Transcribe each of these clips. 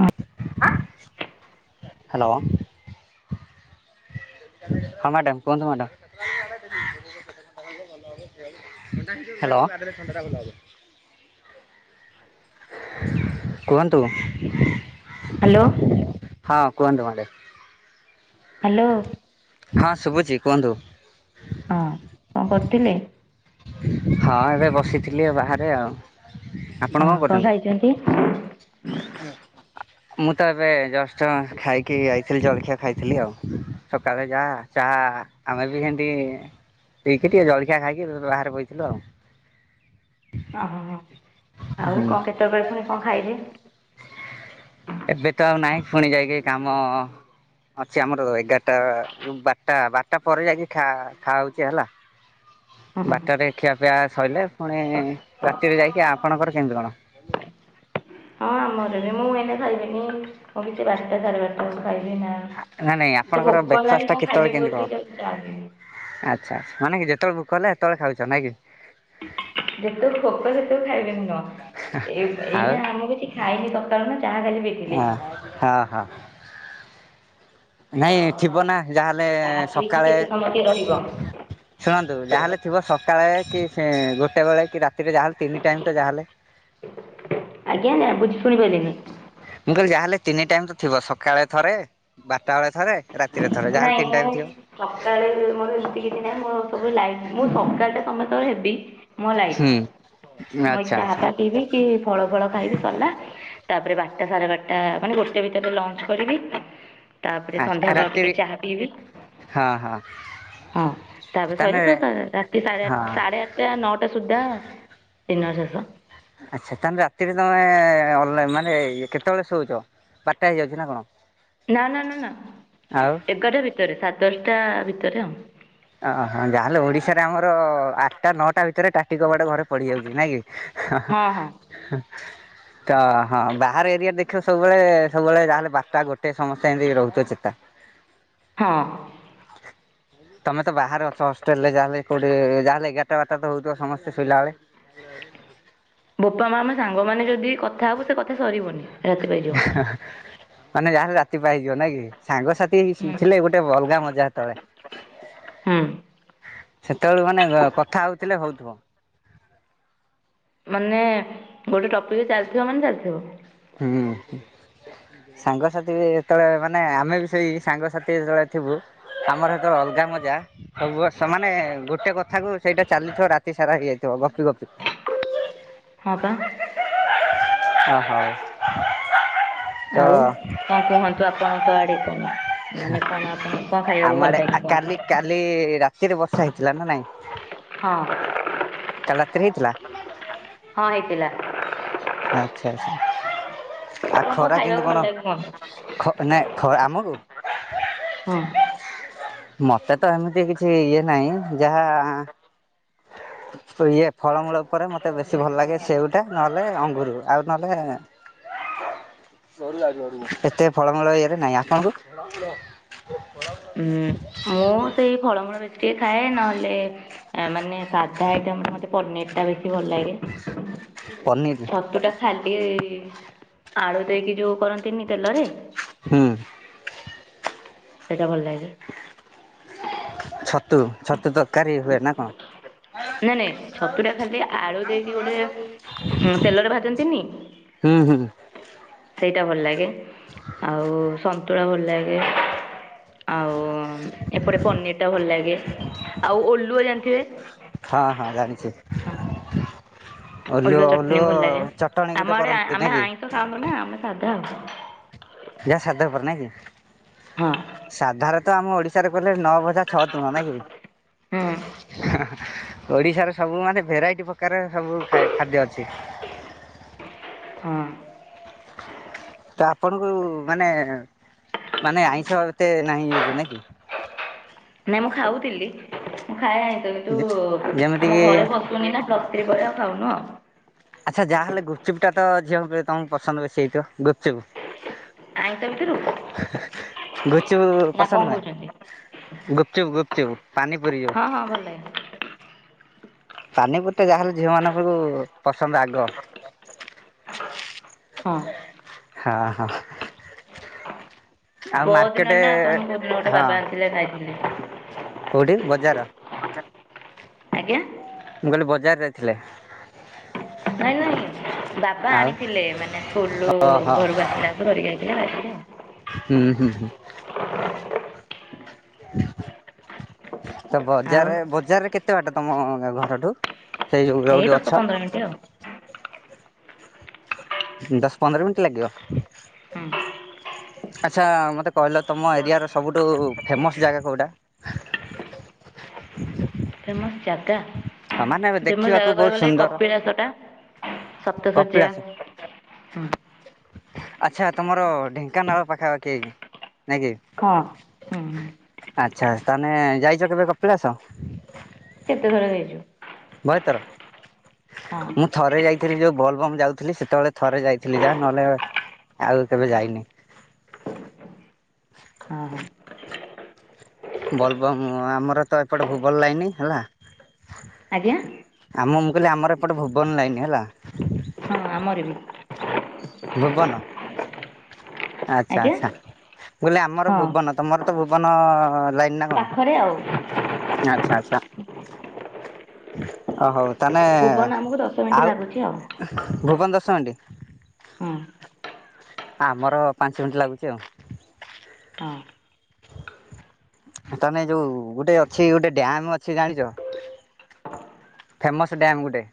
ହଁ ହ୍ୟାଲୋ। ହଁ ମାଡ଼ାମ କୁହନ୍ତୁ ମାଡ଼ାମ୍। ହାଲୋ। କୁହନ୍ତୁ। ହାଲୋ। ହଁ କୁହନ୍ତୁ ମାଡାମ। ହାଲୋ। ହଁ ଶୁବୁଚି କୁହନ୍ତୁ। ହଁ କଣ କରୁଥିଲେ? ହଁ ଏବେ ବସିଥିଲି ବାହାରେ ଆଉ। ହଁ କଣ ଖାଇଛନ୍ତି? ହଁ ହ ମୁଁ ତ ଏବେ ଜଷ୍ଟ ଖାଇକି ଯାଇଥିଲି ଜଳଖିଆ ଖାଇଥିଲି ଆଉ, ସକାଳେ ଯାହା ଚାହା ଆମେ ବି ସେମତି ପିକିରି‌ ଜଳଖିଆ ଖାଇକି ବାହାରେ ବଇଥିଲୁ ଆଉ। ଓହୋ ଆଉ ହୁଁ କଣ କେତେବେଳେ ପୁଣି କଣ ଖାଇବେ? ଏବେ ତ ଆଉ ନାଇଁ ପୁଣି ଯାଇକି କାମ ଅଛି ଆମର ଏଗା ଟା‌ ବାରଟା ବାରଟା ପରେ ଯାଇକି ଖା-ଖାଉଛି ହେଲା। ହଁ ବାରଟାରେ ଖିଆପିଆ ସଇଲେ‌ ପୁଣି ରାତିରେ ଯାଇକି ଆପଣଙ୍କର କେମିତି କଣ? ହଁ ଆମର ବି ମୁଁ ଏନ ଖାଇବିନି, ମୁଁ ବି ସେ ବାରଟା ସାଢେ ବାରଟା ଖାଇବି ନା ନାଇଁ ନାଇଁ ଏତେ ଆପଣଙ୍କର ଭୋକ ହେଲାଣି ବ୍ରେକଫାଷ୍ଟଟା କଣ ଖାଇବି କେତେବେଳେ କେମିତି ବୋଲି ଯାଉଛି କଣ? ଚା ପିଇବି ଆଚ୍ଛା ଆଛା ମାନେ କି ଯେତେବେଳେ ଭୋକ ହେଲେ ସେତେବେଳେ ଖାଉଛ ନାଇଁ କି? ଯେତେବେଳେ ଭୋକ ସେତେବେଳେ ଖାଇବେ ନୁହଁ, ଆଉ ଏଇନା ଆମେ କିଛି ଖାଇକି ସକାଳୁ ନା ଚାହା ଖାଲି ପି ଙ ହଁ ହଁ। ତ ନାଇଁ ଥିବ ନା ଯାହାହେଲେ ଚାହା ପିଇକି ସକାଳେ କେତେ ସମୟ କିଏ ରହିବ ଶୁଣନ୍ତୁ ଯାହେଲେ ଥିବ ସକାଳେ କି ସେ ଗୋଟେ ବେଳେ କି ରାତିରେ ଯାହାହେଲେ ତିନି ଟାଇମ ତ ଯାହେଲେ ଆଜ୍ଞା ବୁଝି ଶୁଣି ପାରିଲିନି। ମୁଁ କହିଲି ଯାହାହେଲେ ତିନି ଟାଇମ ତ ଥିବ, ସକାଳେ ଥରେ ବାରଟା ବେଳେ ଥରେ ରାତିରେ ଥରେ। ଯାହାହେଲେ ନାଇଁ ତିନି ମୁଁ ଟାଇମ୍ ଥିବ। ସକାଳେ ମୋର ଏମିତି କିଛି ନହିଁ ମୋ ସବୁ ଲାଇଟ, ମୁଁ ସକାଳେ ତ୍ ସମସ୍ତଙ୍କର ହେବି ମୋ ଲାଇଟ ହୁଁ ମୁ ଏଇ ଆଚ୍ଛା ଚା ଆଚ୍ଛା ଫା ପିବି କି ଫଳ ଫଳ ଖାଇବି ସରିଲା। ତାପରେ ବାରଟା ସାଢେ ବାରଟା ମାନେ ଗୋଟେ ଭିତରେ ଲଞ୍ଚ କରିବି, ତାପରେ ଆଚ୍ଛା ସନ୍ଧ୍ୟା ବଳ ଟିକେ ରାତିରେ ଚାହା ପିଇବି। ହଁ ହଁ ହଁ ତାପରେ ସଇଲେ ସ ତାହେଲେ ସା‌ ରାତି ସାଢେ ହଁ ଆଠ ସାଢେ ଆଠ ଟା ନଅଟା ସୁଦ୍ଧା ଡିନର ଶେଷ। ଆଚ୍ଛା ତାହାନେ‌ ରାତିରେ ତମେ ଅଲ ମାନେ କେତେବେଳେ ଶୋଉଛ? ବାଟା ହେଇଯାଉଛି ନା କଣ? ନା ନା ନା ନା, ଆଉ ଏଗାରଟା ଭିତରେ ସାଡ ଦଶଟା ଭିତରେ ଆଉ। ଓ ଯାହାହେଲେ ଓଡ଼ିଶାରେ ଆମର ଆଠଟା ନଅଟା ଭିତରେ ଟାଟି କବାଟ ଘରେ ପଡିଯାଉଛି ନାଇଁ କି। ହଁ ହଁ ହଁ ହଁ। ତ ହଁ ବାହାର ଏରିଆ ଦେଖିବ ସବୁବେଳେ ସବୁବେଳେ ଯାହାହେଲେ ବାରଟା ଗୋଟେ ସମସ୍ତେ ଏମିତି ରହୁଥ ଚେତା। ହଁ। ତମେ ତ ବାହାରେ ଅଛ ହଷ୍ଟେଲ ରେ ଯାହା ହେଲେ କୋଉଠି ଯାହାଲେ ଏଗାରଟା ବାରଟା ତ ହଉଥିବ ସମସ୍ତେ ଶୋଇଲା ବଳେ? ବୋପା ମା ଆମ ସାଙ୍ଗମାନେ ଯଦି କଥା ହେବୁ ସେ କଥା ସରିବନି। ରାତି ପାଇଯିବ ହେଁ ମାନେ ଯାହାର ରା ତି‌ ପାହିଯିବ ନାଇ କି, ସାଙ୍ଗସାଥି ହୁଁ ମିଶିକି ଥିଲେ ଗୋଟେ ଅଲଗା ମଜା ହେତେବେଳେ। ହୁଁ। ସେତେବେଳେ ମାନେ କଥା ହଉଥିଲେ ହଉଥିବ। ମାନେ ଗୋଟେ ଟପିକ ଚାଲିଥିବ ମାନେ ଚାଲିଥିବ। ହୁଁ। ସାଙ୍ଗସାଥି ବି ହେତେବେଳେ ମାନେ ଆମେ ବି ସେଇ ସାଙ୍ଗସାଥି ଯେତେବେଳେ ଥିବୁ ଆମର ସେତେବେଳେ ଅଲଗା ମଜା। ସବୁ ବର୍ଷ ମାନେ ଗୋଟେ କଥା କୁ ସେଇଟା ଚାଲିଥିବ ରାତି ସାରା ହେଇଯାଇଥିବ ଗପି ଗପି। ହଁ ପା। ଅ ହଉ। ତ ଆଉ କଣ କୁହନ୍ତୁ ଆପଣଙ୍କ ଆଡେ କଣ। ମାନେ କଣ ଆପଣ କଣ ହେଁ ଖାଇବାକୁ ଆମ ଭଲ ଆଡେ ଲାଗେ କୁହନ୍ତୁ କାଲି କାଲି ରାତିରେ ବର୍ଷା ହେଇଥିଲା ନା ନାଇଁ। ହଁ। କାଲି ରାତିିରେ ହେଇଥିଲା। ହଁ ହେଇଥିଲା। ଆଚ୍ଛା ଆଛା ଆପଣ ଆଉ ଖରା କେମିତି ଖାଇବାକୁ ଭଲ କଣ? ଲାଗେ କୁହନ୍ତୁ ଖ ନାଇଁ ଖ ଆମକୁ ହୁଁ। ମତେ ତ ଏମିତି କିଛି ଇଏ ନାହିଁ ଯାହା ଇଏ ଫଳମୂଳ ଉପରେ ମତେ ବେଶୀ ଭଲ ଲାଗେ ସେଉଟା ନହେଲେ ଅଙ୍ଗୁର ଆଉ ନହେଲେ [unintelligible] ଏତେ ଫଳମୂଳ ଇରେ ନାହିଁ ଆପଣଙ୍କୁ। ହୁଁ। ମୁଁ ସେଇ ଫଳମୂଳ ବେଶୀ ଟିକେ ଖାଏ ନହେଲେ ମାନେ ସାଧା ଆଇଟରେ ମତେ ପନିର ଟା ବେଶୀ ଭଲ ଲାଗେ ପନିର ଛତୁଟା ଖାଲି ଆଳୁ ଦେଇକି ଯୋଉ କରନ୍ତିନି ତେଲରେ। ହୁଁ। ସେଇଟା ଭଲ ଲାଗେ। ଛତୁ ଛତୁ ତରକାରୀ ହୁଏ ନା କଣ? ନାଇଁ ନାଇଁ ଛତୁ ଟା ଖାଲି ଆଳୁ ଦେଇକି ଗୋଟେ ଉଁ ତେଲରେ ଭାଜନ୍ତିନି। ହୁଁ ହୁଁ। ସେଇଟା ଭଲ ଲାଗେ ଆଉ ସନ୍ତୁଳା ଭଲ ଲାଗେ। ଆଉ ଏପଟେ ପନିର ଟା ଭଲ ଲାଗେ ଆଉ ଓଲୁଅ ଜାଣିଥିବେ। ହଁ ହଁ ଜାଣିଛି। ହଁ ଓଲୁଅ ଚଟଣି ଓଲୁଅ ଭଲ ଲାଗେ ଚଟଣି ଆମ ଗୋଟେ ଆଡ଼େ ଆ- କରନ୍ତି ଆମେ ନାଇକି। ଆଇଁଷ ଖାଉନୁ ନା ଆମେ ସାଧା ଆଉ। ଜା ସାଧାଉପରେ ନାହି ହଁ କି ସାଧାର ତ ତ ଆମ ଓଡିଶାରେ କଲେ ନଅ ଭଜା ଛଅ ତୁନ ନାଇଁ କି। ହୁଁ। ଓଡିଶାର ସବୁ ମାନେ ଭେରାଇଟି ପ୍ରକାର ସବୁ ଖାଦ୍ୟ ଅଛି। ହୁଁ। ତ ଆପଣଙ୍କୁ ମାନେ ମାନେ ଆଇଁଷ ଏତେ ନାହିଁ ଯୁଜୁ ନାଇକି। ନାଇଁ ମୁଁ ଖାଉଥିଲି ମୁଁ ଖାଏ ଆଇସ କିନ୍ତୁ ଯେମିତି ଆମ କିି ଘରେ ପଶୁନି ପଶୁନି ନା ପ୍ଲସଥ୍ରୀ ପରେ ଆଉ ଖାଉନୁ ଆଉ। ଆଚ୍ଛା ଯାହାହେଲେ ଗୁପଚୁପ ଟା ତ ଝିଅଙ୍କୁ ତମକୁ ପସନ୍ଦ ବେଶୀ ହେଇଥିବ ଗୁପଚୁପ। ଆଇସ ଭିତରୁ ଗୁପଚପୁ ନା ପସନ୍ଦ କଣ କହୁଛନ୍ତି ନୁହେଁ ଗୁପଚୁପ ଗୁପଚୁପ ପାନିପୁରୀ ଯୋଉ। ହଁ ହଁ ଭଲଲାଗେ। ପାନିପୁରୀ ଟା ଯାହାହେଲେ ଝିଅ ମାନଙ୍କୁ ପସନ୍ଦ ଆଗ। ହଁ। ହଁ ହଁ। ଆଉ ପହର ମାର୍କେଟ ଦିନ ନା କୋଉ ଦିନ ଗୋଟେ ହଁ ବାପା ଆଣିଥିଲେ ଖାଇଥିଲି। କୋଉଠି ବଜାର। ଆଜ୍ଞା। ମୁଁ କହିଲି ବଜାର ଯାଇଥିଲେ। ନାଇଁ ନାଇଁ ବାବା ଆଣିଥିଲେ ମାନେ ସ୍କୁଲରୁୁ ଓହୋ। ଘରକୁ ଆସିଲାକୁ ଧରିକି ଆଇଥିଲେ ଖାଇଥିଲୁ। ହୁଁ ହୁଁ। ତ ଆଉ। ଆଉ ବଜାରରେ ବଜାରରେ କେତେ ବାଟ ତମ ଘରଠୁ? ସେଇ ଜଉ ଯଉଠି ଅଛ। ଏଇଠି ଆଉ। ଦଶ ପନ୍ଦର ମିନିଟ ଲାଗିବ। ହୁଁ ଆଚ୍ଛା ମତେ କହିଲ ତମ ଏରିଆର ସବୁଠୁ ଫେମସ ଜାଗା କୋଉଟା? ଫେମସ୍ ଜାଗା? ହଁ ମାନେ ଫେମସ ଦେଖିବାକୁ ଜାଗା ବହୁତ କହିବାକୁ ଗଲେ ସୁନ୍ଦର କପିଳାସଟା ସପ୍ତ ଶଯ୍ୟା। କପିଳାସ। [inaudible] ହୁଁ। ଆଚ୍ଛା ତମର ଢେଙ୍କାନାଳ ପାଖାପାଖି ନାଇଁ କି? କଅଁ। ଆଚ୍ଛା ତମେ ଯାଇଚ କେବେ କପିଳାସ? କେତେ ଥର ଯାଇଛୁ। ବହେଥର ହଁ ମୁଁ ଥରେ ଯାଇ ଥିଲି ଯୋଉ ବୋଲବମ୍ ଯାଉଥିଲି ସେତେବେଳେ ଥରେ ଯାଇଥିଲି ଯାହା ନହେଲେ ଆଉ କେବେ ଯାଇନି। ଆ ହା। ବୋଲବମ୍ ଆମର ତ ଏପଟ ଭୁବନ ଲାଇନି ହେଲା। ଆଜ୍ଞା। ଆ ମୁଁ-ମୁଁ କହିଲି ଆମର ଏପଟେ ଭୁବନ ଲାଇନ୍ ହେଲା। ହଁ ଆମର ବି। ଭୁବନ ଆଜ୍ଞା। ଆଚ୍ଛା-ଆଚ୍ଛା ମୁଁ କହିଲି ଆମର ହଁ। ଭୁବନ ତମର ତ ଭୁବନ ଲାଇନ ନା କଣ ପାଖରେ ଆଉ ଆଚ୍ଛା-ଆଚ୍ଛା। ଓ ହଉ ତାନେ ଭୁବନ ଆମକୁ ଦଶ ମିନିଟ୍ ଆଉ। ଲାଗୁଛି ଭୁବନ ଦଶ ମିନିଟ୍ ହୁଁ ଆମର ପାଞ୍ଚ ମିନିଟ୍ ଲାଗୁଛି ଆଉ। ହଁ। ତମେ ଯୋଉ ଗୋଟେ ଅଛି ଗୋଟେ ଡ୍ୟାମ ଅଛି ଜାଣିଛ? ଫେମସ ଡ୍ୟାମ ଗୋଟେ।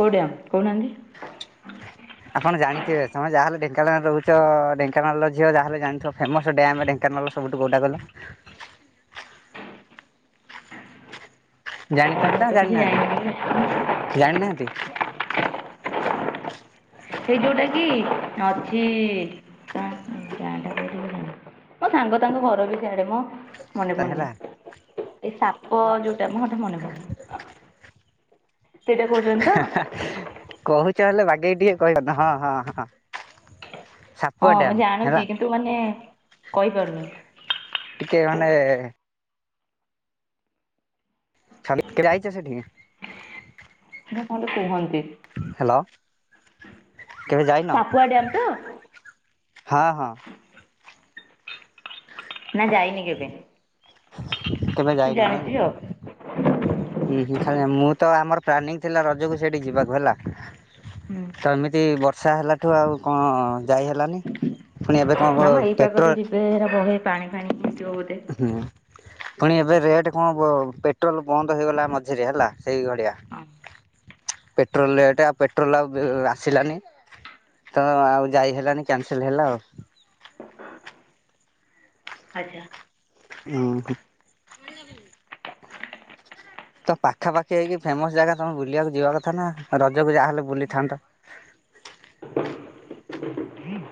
କୋଉ ଡ୍ୟାମ୍ କହୁନାହାନ୍ତି? ଆପଣ ଜାଣିଥିବେ ତମେ ଯାହା ହେଲେ ଢେଙ୍କାନାଳରେ ରହୁଛ, ଢେଙ୍କାନାଳର ଝିଅ ଯାହା ହେଲେ ଜାଣିଥିବ ଫେମସ ଡ୍ୟାମ ଢେଙ୍କାନାଳର ସବୁଠୁ କୋଉଟା କହିଲ? ଜାଣିଛନ୍ତି ମୁଁ ନା ତ କିଛି ଜାଣିନି ଜାଣିନାହାନ୍ତି-ଜାଣିନାହାନ୍ତି? ଏଇ ଯୋଉଟା କି ଅଛି [unintelligible] ମୋ ସାଙ୍ଗ ତାଙ୍କ ଘର ବି ସିଆଡେ ମଁ ମନେ ପଡୁନି। ହେଲା ଏଇ ସାପ ଯୋଉଟା ମଁ [inaudible] ମନେ ପଡୁନୀ। ସେଇଟା କହୁଛନ୍ତି ତ? କହୁଛ ହେଲେ ବାଗେଇ ଟିକେ କହିପାରୁନ ହଁ-ହଁ-ହଁ। ହଁ ମୁଁ ଜାଣୁଛି କିନ୍ତୁ ମାନେ କହିପାରୁନି। ଟିକେ ମାନେ [inaudible] କେବେ ଯାଇଛ ସେଠିକି? ନା କଣ ଗୋଟେ କୁହନ୍ତି। ହ୍ୟାଲୋ, କେବେ ଯାଇନ? ସାପୁଆ ଡ୍ୟାମ୍ ତ ହା ହଁ। ନା ଯାଇନି କେବେ? ସେ ଜାଣିଛି ଆଉ। ଉୁଁ ହୁଁ ଖାଲି ମୁଁ ତ ଆମର ପ୍ଲାନିଂ ଥିଲା ରଜକୁ ସେଇଠି ଯିବାକୁ ହେଲା। ହୁଁ ତ ଏମିତି ବର୍ଷା ହେଲାଠୁ ଆଉ କଣ ଯାଇ ହେଲାନି? ପୁଣି ଏବେ କଣ କ ପେଟ୍ରୋଲ ସେ [inaudible] ପାଣି ଫାଣି ପିଉଥିବ ବୋଧେ। ହୁଁ। ପୁଣି ଏବେ ରେଟ୍ କଣ ପେଟ୍ରୋଲ ବନ୍ଦ ହେଇଗଲା ମଝିରେ ହେଲା ସେଇ ଘଡିଆ। ହଁ ପେଟ୍ରୋଲ ରେଟ୍ ପେଟ୍ରୋଲ ଆଉ ଆସିଲାନି। ତ ଆଉ ଯାଇ ହେଲାନି କ୍ୟାନସେଲ ହେଲା ଆଉ। ଆଜ୍ଞା। ଉଁ ହୁଁ। ତ ପାଖାପାଖି ହେଇକି ଫେମସ୍ ଜାଗା ତୋମେ ବୁଲିବାକୁ ଯିବା କଥା ନା। ରଜକୁ ଯାହା ହେଲେ ବୁଲିଥାନ୍ତ।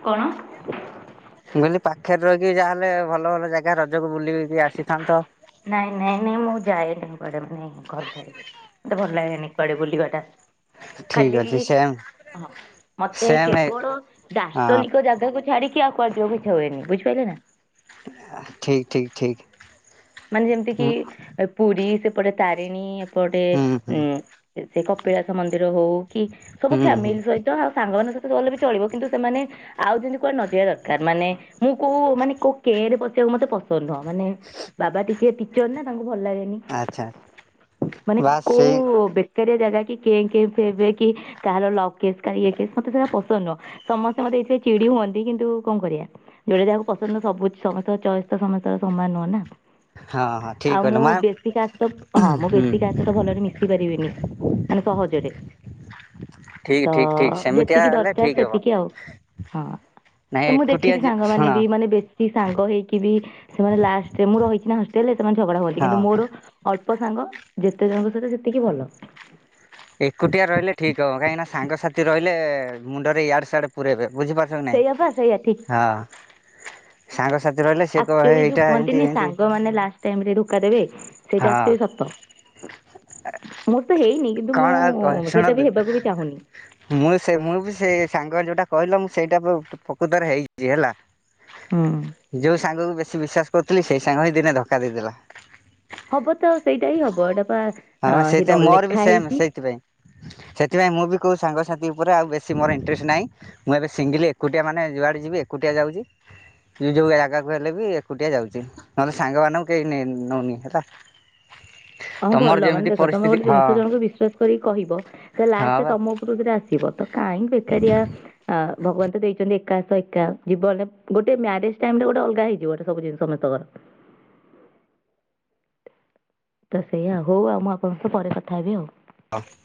କଣ? ମୁଁ କହିଲି ପାଖରେ ରହିକି ଯାହାହେଲେ ଭଲ ଭଲ ଜାଗା ରଜକୁ ବୁଲିକି ଆସିଥାନ୍ତ। ନାଇଁ ନାଇଁ ନାଇଁ ମୁଁ ଯାଏନି ମୁଁ କୁଆଡେ ମାନେ ଘର ଛାଡିକି। ମୋତେ ଭଲ ଲାଗେନି କୁଆଡେ ବୁଲିବା ଟା। ଠିକ ଖାଲି ଅଛି ସେମ୍ ହଁ ମୋତେ ସେମ୍ ହେ କେବଳ ହଁ ଦାର୍ଶନିକ ଜାଗାକୁ ଛାଡି କି ଆଉ କୁଆଡେ ଯିବାକୁ ଇଚ୍ଛା ହୁଏନି। ବୁଝି ପାଇଲେ ନା? ଆହା ଠିକ୍, ଠିକ୍, ଠିକ୍। ମାନେ ଯେମିତି କିି ଏ ପୁରୀ ସେପଟେ ତାରିଣୀ ଏପଟେ ହୁଁ ହୁଁ ଉଁ, ସେ କପିଳାସ ମନ୍ଦିର ହଉ କି ସବୁ ହୁଁ ହୁଁ ଫ୍ୟାମିଲି ସହି ତ ଆଉ ସାଙ୍ଗମାନଙ୍କ ସହିତ ଗଲେ ବି ଚଳିବ। କିନ୍ତୁ ସେମାନେ ଆଉ ଯେମିତି କୁଆଡେ ନଜିବା ଦରକାର। ମାନେ ମୁଁ କୋଉ ମାନେ କୋଉ କେଁ ରେ ପଶିବାକୁ ମୋତେ ପସନ୍ଦ ନୁହଁ। ମାନେ ବାବା ଟିକେ ଟିଚର୍ ନା ତାଙ୍କୁ ଭଲ ଲାଗେନି। ଆଚ୍ଛା। ମାନେ ବାସ୍ ସେଇ କୋଉ ବେ କାରିଆ ଜାଗା କି କେଁ କେଁ ଫେଁ ଫେଁ କି କାହାର ଲଭ କେସ୍ କାହାର ଇଏ କେସ୍ ମୋତେ ସେଇଟା ପସନ୍ଦ ନୁହଁ। ସମସ୍ତେ ମୋତେ ଏଇଥିରେ ଚିଡି ହୁଅନ୍ତି କିନ୍ତୁ କଣ କରିବା। ଯୋଉଟା ଯାହାକୁ ପସନ୍ଦ ସବୁ ସମସ୍ତଙ୍କ ଚଏସ୍ ତ ସମସ୍ତଙ୍କ ସମାନ ନୁହଁ ନା। ହଁ, ହଁ। ଠିକ ଆଉ କହିଲ ମୁଁ ମା ବେଶୀ କାହା ସହିତ, ହଁ ମୁଁ ହୁଁ। ବେଶୀ କାହା ସହିତ ଭଲରେ ମିଶି ପାରିବିନି, ମାନେ ସହଜରେ। ଠିକ ତ ଠିକ ଠିକ ସେମିତିଆ ଯେତିକି ହେଲେ ଦରକାର ଠିକ ହବ ସେତିକି ଆଉ ହଁ। ନାଇଁ ଏ ମୁଁ ଏକୁଟିଆ ଦେଖିଚି ଯେ ଶୁଣ ସାଙ୍ଗମାନେ ବି ମାନେ ବେଶ ଶୀ ସାଙ୍ଗ ହେଇକି ବି ସେମାନେ ଲାଷ୍ଟରେ ମୁଁ ରହିଚି ନା ହଷ୍ଟେଲ୍ ରେ ସେମାନେ ଝଗଡା ହୁଅନ୍ତି। ହଁ କିନ୍ତୁ ମୋର ଅଳ୍ପ ସାଙ୍ଗ ଯେତେ ଜଣଙ୍କ ସହିତ ସେତିକି ଭଲ। ଏକୁଟିଆ ରହିଲେ ଠିକ ହବ। କାହିଁକିନା ସାଙ୍ଗସାଥି ରହିଲେ ମୁଣ୍ଡରେ ଇଆଡ଼େ ସିଆଡେ ପୁରଇବେ। ବୁଝିପାରୁ ଛ ନାଇଁ ସେଇଆ ପା ସେଇଆ ଠିକ ହଁ ସାଙ୍ଗସାଥି ରହିଲେ ସେ କହ ଆକ୍ଚୁଲି ଯୋଉ ଏଇଟା ଏମିତି କୁହନ୍ତିନି ଏମିତି ସାଙ୍ଗମାନେ ଲାଷ୍ଟ ଟାଇମ୍ ରେ ଧୋକା ଦେବେ ସେଇଟା ହଁ ଆକ୍ଚୁଲି ସତ। ମୋର ତ ହେଇନି କିନ୍ତୁ କଣ ମୁଁ ଆଉ କହ ସେଇଟା ଶୁଣନ୍ତୁ ବି ହେବାକୁ ବି ଚାହୁଁନି। ମୁଁ ସେ ମୁଁ ବି ସେ ସାଙ୍ଗ ଯୋଉଟା କହିଲ ମୁଁ ସେଇଟା ବି ପ-ପ୍ରକୃତରେ ହେଇଚି ହେଲା। ହୁଁ। ଯୋଉ ସାଙ୍ଗକୁ ବେଶୀ ବିଶ୍ୱାସ କରୁଥିଲି ସେଇ ସାଙ୍ଗ ହିଁ ଦିନେ ଧକ୍କା ଦେଇଦେଲା। ହବ ତ ସେଇଟା ହି ହବ। ଏଟା ହଁ ବା ସେଇଥିପାଇଁ ମୋର ବି ସେମ୍ ସେଇଥିପାଇଁ। ସେଥିପାଇଁ ମୁଁ ବି କୋଉ ସାଙ୍ଗସାଥି ଉପରେ ଆଉ ବେଶୀ ମୋର ଇଣ୍ଟରେଷ୍ଟ ନାହିଁ। ମୁଁ ଏବେ ସିଙ୍ଗିଲି ଏକୁଟିଆ ମାନେ ଯୁଆଡେ ଯିବି ଏକୁଟିଆ ଯାଉଚି ମୁଁ ଯୋଉ ଜାଗାକୁ ହେଲେ ବି ଏକୁଟିଆ ଯାଉଚି। ନହେଲେ ସାଙ୍ଗମାନଙ୍କୁ କେଇ ନେ ନଉନି ହେଲା। ହଁ ତମର ଭଲ ମାନେ ଯେମିତି ଦେଖ ତୋମେ ପରିସ୍ଥିତି ଗୋଟେ ହଁ ଜିନିଷ ଜଣଙ୍କୁ ବିଶ୍ଵାସ କରିକି କହିବ ସେ ହଁ ଲାଷ୍ଟରେ ବା। ତୋମ ପଟକୁ ସେଟା ଆସିବ ତ କାଇଁ ବେକାରିଆ ଆ, ଭଗବାନ ତ ଦେଇଚନ୍ତି ଏକାଶହ ଏକା। ଜୀବନରେ ଗୋଟେ ମ୍ୟାରେଜ୍ ଟାଇମ୍ ରେ ଗୋଟେ ଅଲଗା ହେଇଯିବ। ଏଟା ସବୁ ଜିନ ସମସ୍ତଙ୍କର। ତ ସେଇଆ ହଉ ଆଉ ମୁଁ ଆପଣଙ୍କ ସହ ପରେ କଥା ହେବି ଆଉ। ହଁ।